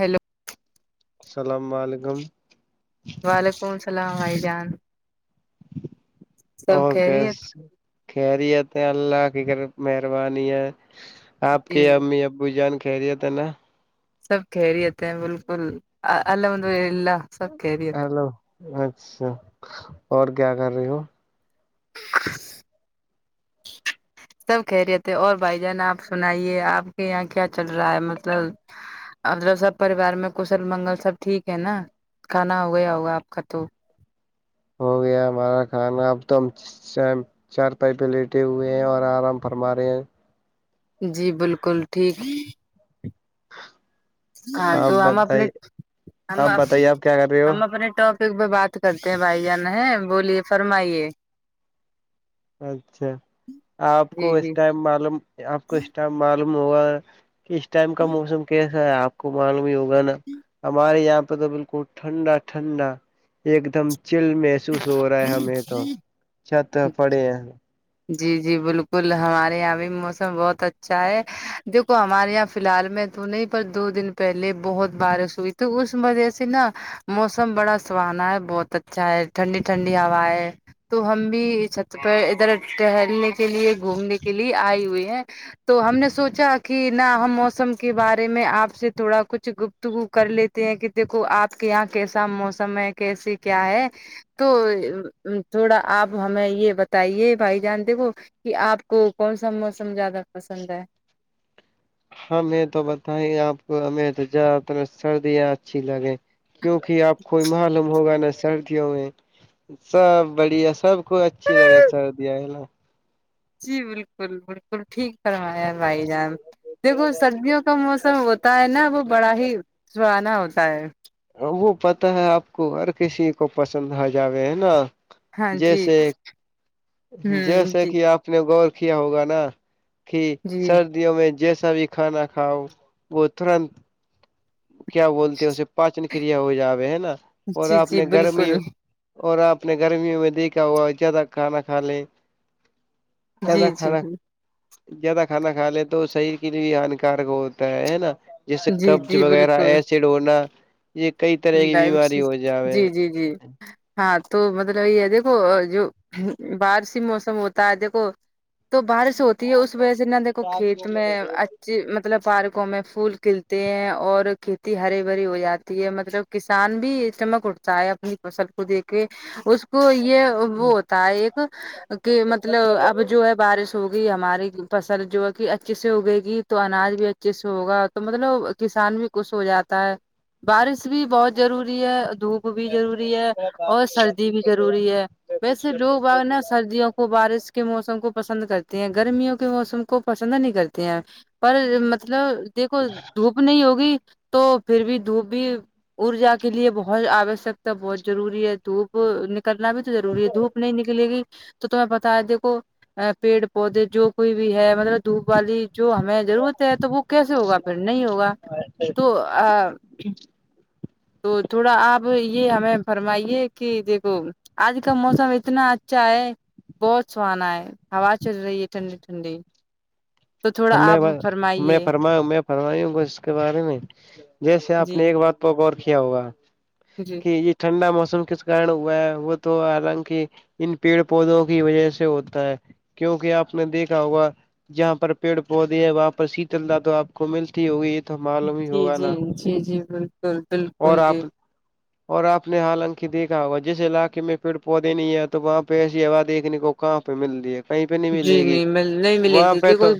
hello السلام علیکم وعلیکم السلام عھائی جان سب اور کی خیریت کہرییت اللہ فکر مہربانی ہے آپ جی کی امی ابو جان خیریت ہے نا سب خریتے ہیں بالکل اللہ ملہ ہیلو اچھا اور کیا کر رہی ہو [unintelligible] سب کہہ رہے تھے اور بھائی جان آپ سنائیے آپ کے یہاں کیا چل رہا ہے مطلب اور سب پریوار میں کشل منگل سب ٹھیک ہے نا کھانا ہو گیا ہوگا آپ کا تو ہو گیا ہمارا کھانا اب تو سیم چر پائپیں لیٹے ہوئے ہیں اور آرام فرما رہے ہیں جی بالکل ٹھیک ہاں آپ تو ہم اپنے بتائی ہم آپ بتائیے آپ کیا کر رہے ہم ہو اپنے ٹپ ایک ب بات کرتے ہیں بھائی جان ہے بولیے فرمائیے اچھا آپ کو جی اس جی ٹائم معلوم آپ کو اس ٹائم معلوم ہوگا اس ٹائم کا موسم کیسا ہے آپ کو معلوم ہی ہوگا نا ہمارے یہاں پہ تو بالکل ٹھنڈا ٹھنڈا ایک دم چل میں محسوس ہو رہا ہے ہمیں تو چھت پڑے ہیں جی جی بالکل ہمارے یہاں بھی موسم بہت اچھا ہے دیکھو ہمارے یہاں فی الحال میں تو نہیں پر دو دن پہلے بہت بارش ہوئی ت اس وجہ سے نا موسم بڑا سہانا ہے بہت اچھا ہے ٹھنڈی ٹھنڈی ہوا ہے تو ہم بھی چھت پر ادھر ٹہلنے کے لیے گھومنے کے لیے آئے ہوئے ہیں تو ہم نے سوچا کہ نہ ہم موسم کے بارے میں آپ سے تھوڑا کچھ گ تو وہ کر لیتے ہیں کہ دیکھو آپ کے یہاں کیسا موسم ہے کیسے کیا ہے تو تھوڑا آپ ہمیں یہ بتائیے بھائی جان دیکھو کہ آپ کو کون سا موسم زیادہ پسند ہے ہمیں تو بتائی آپ کو ہمیں تو زیادہ تر سردیاں اچھی لگے کیونکہ آپ کوئی معلوم ہوگا نا سردیوں میں سب بڑھیا سب کو اچھی لگے سردی آئے ن جی بالکل بالکل ٹھیک فرمایا بھائی جان دیکھو سردیوں موسم ہوتا ہے نا وہ بڑا ہی سہانا ہوتا ہے وہ پتا ہے آپ کو ہر کسی کو پسند آ جاوے ہے نا ہاں جی جیسے ہوں جیسے جی کہ آپ نے غور کیا ہوگا نا کہ جی سر میں جیسا بھی کھانا کھاؤ وہ ترنت کیا بولتے ہیں اسے پاچن کیا ہو جاوے ہے نا اور جی آپ جی نے گرمی بالکل اور آپ نے گرمیوں میں دیکھا ہوا زیادہ کھانا کھا لیں زیادہ جی جی کھانا زیادہ کھانا کھا لے تو شریر کے لیے بھی ہان کارک ہوتا ہے ہے نا جیسے جی کب ک جی وغیرہ بالکل ایسڈ ہونا یہ کئی طرح کی بیماری ڈائبٹیز ہو جاوے جی جی جی ہاں تو مطلب یہ ہے دیکھو جو بارش موسم ہوتا ہے دیکھو تو بارش ہوتی ہے اس وجہ سے نہا دیکھو کھیت میںچ جی مطلب پارکوں میں پھول کھلتے ہیں اور کھیتی ہری بھری ہو جاتی ہے م مطلب کسان بھی چمک اھتا ہے اپنی فصل کو دیک کے اس کو یہ وہ ہوتا ہے ایک کہ مطلب اب جو ہے بارش ہوگی ہماری فصل جو ہے کہ اچھے سے اگے گی تو اناج بھی اچھے سے ہوگا تو مطلب کسان بھی خش ہو جاتا ہے بارش بھی بہت ضروری ہے دھوپ بھی ضروری ہے اور سردی بھی ضروری ہے ویسے لوگ اورنا سردیوں کو بارش کے موسم کو پسند کرتے ہیں گرمیوں کے موسم کو کو پسند نہیں کرتے ہیں پر مطلب دیکھو دھوپ نہیں ہوگی تو پھر بھی دھوپ بھی ارجا کے لیے بہت آوشکتا بہت ضروری ہے دھوپ وہ نکلنا بھی تو ضروری ہے دھوپ نہیں نکلے گی تو تمہیں بتایا دیکھو پیڑ پودے جو کوئی بھی ہے مطلب دھوپ والی جو ہمیں ضرورت ہے تو وہ کیسے ہوگا پھر نہیں ہوگا تو تو تھوڑا آپ یہ ہمیں فرمائیے کہ دیکھو آج کا موسم اتنا اچھا ہے بہت سہانا ہے ہوا چل رہی ہے ٹھنڈی ٹھنڈی تو تھوڑا ہم آپ ہم فرمائیے فرما فرمائیوں گے اس کے بارے میں جیسے آپ جی نے ایک بات پ غور کیا ہوگا جی کہ یہ ٹھنڈا موسم کے کارن ہوا ہے وہ تو حالانکہ ان پیڑ پودوں کی وجہ سے ہوتا ہے کیونکہ آپ نے دیکھا ہوگا جہاں پر پیڑ پودے ہے وہاں پر شیتل د تو آپ کو ملتی ہوگی تو معلوم ہی جی ہوگا نا جی جی جی بالکل اور بالکل جی آپ اور آپ نے حالانک دیکھا ہوگا جس علاقے میں پیڑ پودے نہیں ہے تو وہاں پہ ایسی ہوا دیکھنے کو کہاں پہ مل رہی ہے کہیں پہ نہیں جی ملے گی نہیں مل نہیں ملے وہاں دی پہ تھی تو کوئی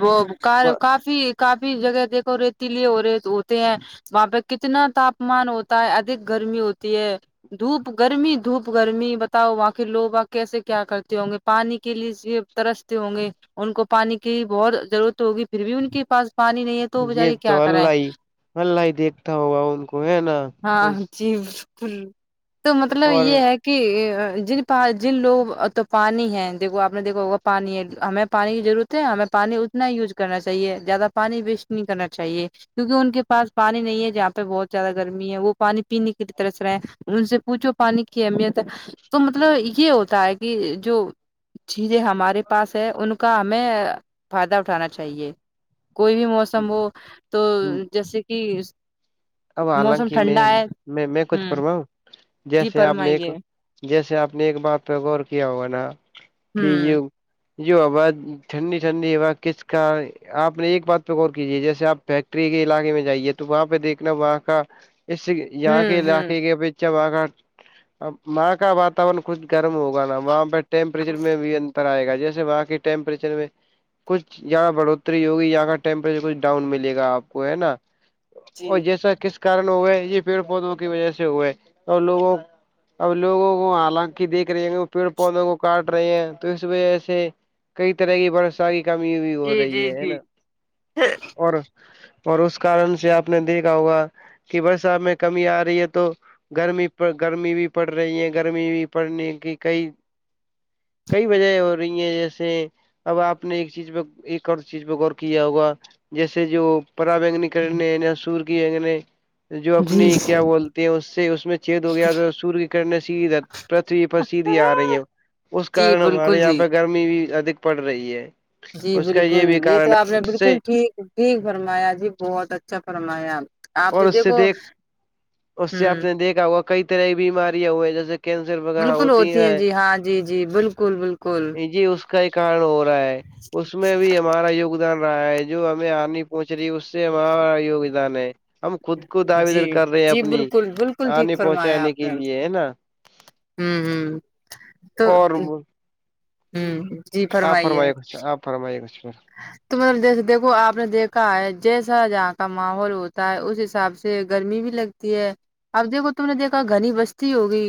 کار کافی کافی جگہ دیکھو ریتی لیے ہو رہے ہوتے ہیں وہاں پہ کتنا تاپمان ہوتا ہے ادھک گرمی ہوتی ہے دھوپ گرمی دھوپ گرمی بتاؤ وہاں کے لوگ آپ کیسے کیا کرتے ہوں گے پانی کے لیے ترستے ہوں گے ان کو پانی کی بہت ضرورت ہوگی پھر بھی ان کے پاس پانی نہیں ہے تو وہ یہ بیچاری تو کیا کرایں اللہ ہی اللہ ہی دیکھتا ہوگا ان کو ہے نا ہ تو مطلب اور یہ ہے کہ کہ جن پ جن لوگ تو پانی ہے دیکھو آپ نے دیکھو پانی ہے ہمیں پانی کی ضرورت ہے ہمیں پانی اتنا ہی یوز کرنا چاہیے زیادہ پانی ویسٹ نہیں کرنا چاہیے کیونکہ ان کے پاس پانی نہیں ہے جہاں پہ بہت زیادہ گرمی ہے وہ پانی پینے کے لیے ترس رہے ہیں ان سے پوھو پانی کی اہمیت ہے تو مطلب یہ ہوتا ہے کہ جو چیزیں ہمارے پاس ہے ان کا ہمیں فائدہ اٹھانا چاہیے کوئی بھی موسم ہو تو جیسے کہ اب موسم حالانکہ میں ٹھنڈا ہے میں میں ہ کچھ فوا ہوں جی جیسے آپ نے ایک فرمائیے جیسے آپ نے ایک بات پہ غور کیا ہوگا نا ھمم ی ا ٹھنڈی ٹھنڈی ہو کس کا آپ نے ایک بات پہ غور کیجیے جیسے آپ فیکٹری کے علاقے میں جائیے تو وہاں پہ دیکھ وہاں کا اس یہاں کے ہوں ہوں علاقے کے اچھا وہاں کا اب وہاں کا واتاورن خود گرم ہوگا نا وہاں پہ ٹیمپریچر میں بھی آئے گا جیسے وہاں کی ٹمپریچر میں کچھ یہاں بڑوتری ہوگی یہاں کا ٹیمپریچر کچھ ڈاؤن ملے گا آپ کو ہے نا جی اور جیسا کس کارن ہوا یہ پیڑ پودوں کی وجہ سے ہوئے اور لوگوں اب لوگوں کو حالانکہ دیکھ رہے ہیں وہ پیڑ پودوں کو کاٹ رہے ہیں تو اس وجہ سے کئی طرح یہ بر کی کمی بھی ہو جی جی رہی ہے نا جی اور اور اس کارن سے آپ آپ نے دیکھا ہوگا کہ برسات میں کمی آ رہی ہے تو گرمی گرمی بھی پڑ رہی ہے گرمی بھی پڑنے کی کئی کئی وجہ ہو رہی ہیں جیسے اب آپ نے ایک چیز پہ ایک اور چیز پہ غور کیا ہوگا جیسے جو پرا بینگنی کرنے سور کی اگنی جو جی اپنی کیا بول اس سے اس میں چد ہو گیا تو سور کی کرنے سےیھر پرتھوی پر سیدھی آ رہی ہے اس جی کارن ہمارے بالکل یہاں جی پہ گرمی بھی ادھک پڑ رہی ہے جی اس کا بالکل بھی یہ کارن تو ہے آپ نے اس بالکل سے ٹھیک ٹھیک فرمایا جی بہت اچھا فرمایا آپ اور نے اس سے دیکھو دیکھ اس سے ہوں آپ نے دیکھا ہوا کئی طرح کی بیماریاں ہوئے ہیں جیسے کینسر وغیرہ بالکل ہوتی ہے ہیں جی ہاں جی جی بالکل بالکل جی اس کا ہی کارن ہو رہا ہے اس میں بھی ہمارا یگدان رہا ہے جو ہمیں آنی پہنچ رہی ہے اس اس مہااروگدان ہے [unintelligible] کو دعوے جی در کر رہے ہیں جی اپنی بالکل بالکل ٹھیک آنے فرمایا پہنچانے آپ کے نے لیے ہے نا ھمم ہ تو اور ہوں جی آپ فرمائیے کچھ آپ فرمائیے گ سھر تو مطلب جیسے دیکھو آپ نے دیکھا ہے جیسا جہاں کا ماحول ہوتا ہے اس حساب سے گرمی بھی لگتی ہے اب دیکھو تم نے دیکھا گھنی بستی ہوگئی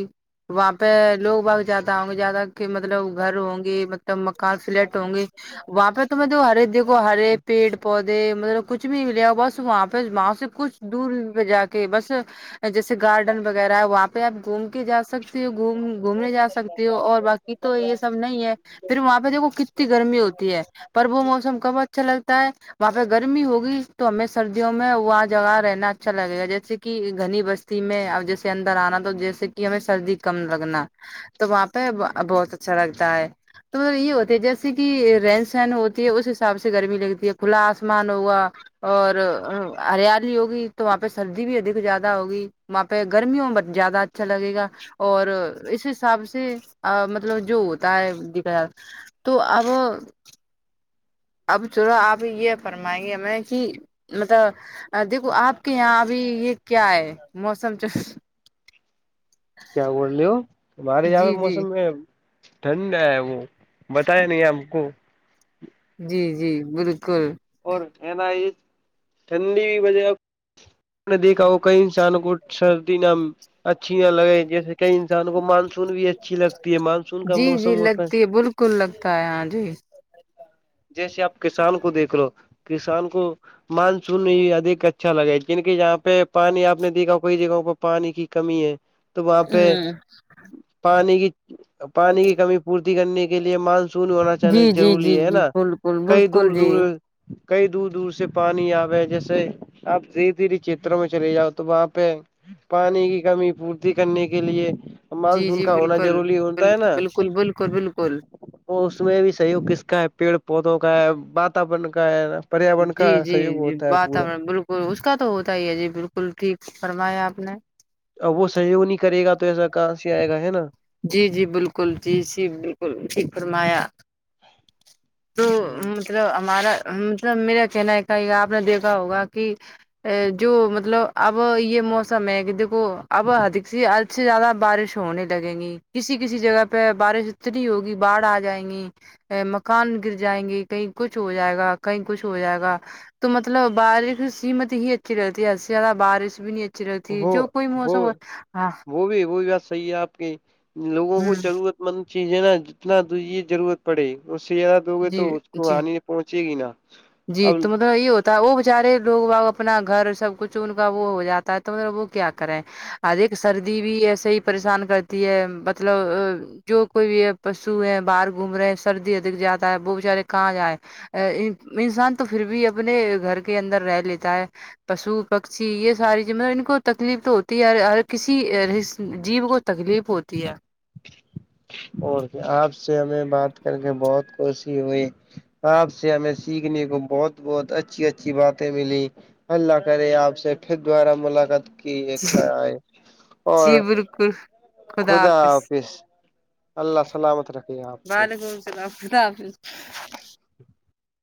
وہاں پہ لوگ بہت جاتدا ہوں گے جیادہ کہ مطلب گھر ہوں گی مطلب مکان فلیٹ ہوں گی تو میں د ہرے دیکھو ہرے پیڑ پود مطلب کچھ بھی ملیا بس واںپس وہاں سے کچھ دور پہ جا کے بس جیسے گارڈن وغیرہ ہے وہاں پہ آپ گھوم کے جا سکتے گوم گھومنے جا سکتے ہو اور باقی تو یہ سب نہیں ہے پھر وہاں پہ دیکھو کتنی گرمی ہوتی ہے پر وہ موسم کب اچھا لگتا ہے وہاں پہ گرمی ہوگی تو ہمیں سردیوں میں وہاں جگہ رہنا اچھا لگے گا جیسے کہ گھنی بست میں اور جیسے اندر آنا تو جیسے کہ ہمیں سردی کم لگنا تو وہاں پہ بہت اچھا لگتا ہے تو مط یہ ہوتی ہے جیسے کہ رین ن ہوتی ہے اس حساب سے گرمی لگتی ہے کھلا آسمان ہوا اور ہریالی ہوگی تو وہاں پہ سردی بھی ادک زیادہ ہوگی وہاں پہ گرمیوں میں زیادہ اچھا لگے گا اور اس حساب سے مطلب جو ہوتا ہے دھا ج تو اب اب چڑو آپ یہ فرمائیں گے میں کہ مطلب دیکھو آپ کے یہاں ابھی یہ کیا ہے موسم کیا بول رہے ہو ہمارے یہاں جی پہ جی موسم میں ٹھنڈ ہے وہ بتایا نہیں ہم کو جی جی بالکل اور ہے نا یہ ٹھنڈی کی وجہ ان نے دیکھا ہو کئی انسانوں کو سردی نہ اچھی نہ لگے جیسے کہئی انسانوں کو مانسون بھی اچھی لگتی ہے مانسون کا موسم ہوتا ہے یہ بالکل لگتا ہے ہاں جی جیسے آپ کسان کو دیکھ لو کسان کو مانسون میں ہی ادھیک اچھا لگا کنک یہہاں پہ پانی آپ نے دیکھا کئی جگہوں پہ پانی کی کمی ہے تو وہاں پہ ہوں پانی کی پانی کی کمی پورتی کرنے کے لیے مان سنی ہونا جی چاہے جی جی ضروری ہے جی نا بالکل کہیں بالکل دور جی دور کئی دور دور سے پانی آبئے ہے جیسے آپ ز دھیے چھیتروں میں چلے جاؤ تو وہاں پہ پانی کی کمی پورتی کرنے کے لیے جی مانسون جی کا ہونا بالکل ضروری ہوتا ہے نا بالکل بالکل بالکل وہ اس میں بھی سحیوگ کس کا ہے پیڑ پودوں کا ہے واتورن کا ہے نا پریاورن جی کا جی سہیوگ جی ہوتا ہے پورا واتاورن بالکل اس کا تو ہوتا ہی ہے جی بالکل ٹھیک فرمایا آپ نے اب وہ سہیوگ نہیں کرے گا تو ایسا کہاں سے آئے گا ہے نا جی جی بالکل جی جی بالکل ج فرمایا تو ہوں مطلب ہمارا مطلب میرا کہنا ہے کا ہی آپ نے دیکھا ہوگا کہ ا جو مطلب اب یہ موسم ہے کہ دیکھو اب ہدک س سے زیادہ بارش ہونے لگیں گی کسی کسی جگہ پہ بارش اتنی ہوگی باڑھ آ جائیں گی مکان گر جائیں گے کہیں کچھ ہو جائے گا کہیں کچھ ہو جائے گا تو مطلب بارش سیمت ہی اچھی رہتی ہے زیادہ بارش بھی نہیں ا چ رہتی جو وہ کوئی موسم وہ ہو ہاں وہ بھی وہ بھی بات صحیح ہے آپ کے لوگوں ہ کو ضرورت مند چیز ہے نا جتنا ضرورت پڑے اس سے زیادہ دو گے جی تو اس کو جی ہانی نہیں پہنچے گی نا جی اب تو م یہ ہوتا ہے وہ بچارے لوگ باؤ اپنا گھر سب کچھ ان کا وہ ہو جاتا ہے تو مطلب وہ کیا کرے ا ایک سردی بھی ایسے ہی پریشان کرتی ہے مطلب جو کوئی بھی ہے پشو ہے باہر گھوم رہے ہیں سردی ادھک جاتا ہے وہ بچارے کہاں جائیں ا انسان تو پھر بھی اپنے گھر کے اندر رہ لیتا ہے پشو پکشی یہ ساری چیزیں مطلب ان کو تکلیف تو ہوتی ہے ہر کسی جیب کو تکلیف ہوتی ہے اور آپ سے ہمیں بات کر کے بہت کوشی ہوئی آپ سے ہمیں سیکھنے کو بہت بہت اچھی اچھی باتیں ملی اللہ کرے آپ سے پھر دوبارہ ملاقات کی کرئے اور خ خدا حافظ اللہ سلامت رکھے آپ کو بالگ [unintelligible]